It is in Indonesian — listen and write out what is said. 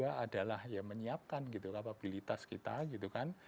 yang kedua adalah ya menyiapkan gitu kapabilitas kita gitu kan